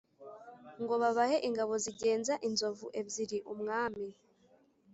ngo babahe ingabo zigenza inzovu ebyiri Umwami